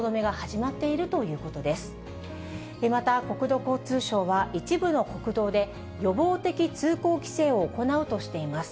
また、国土交通省は、一部の国道で、予防的通行規制を行うとしています。